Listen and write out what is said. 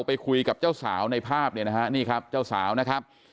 ไปคุยกับเจ้าสาวในภาพเนี่ยนะฮะนี่ครับเจ้าสาวนะครับ